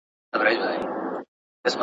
په لاس لیکل د نوښت لپاره زمینه برابروي.